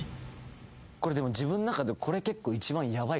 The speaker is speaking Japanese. でも自分の中でこれ結構。